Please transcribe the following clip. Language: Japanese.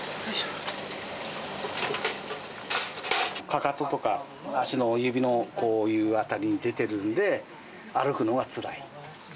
かかととか、足の指のこういう辺りに出てるんで、歩くのがつらい。